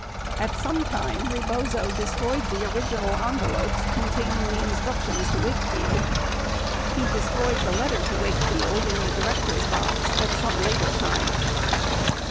77 At some time Rebozo destroyed the original envelopes containing the instructions to Wakefield. He destroyed the letter to Wakefield in the directors' box at some later time.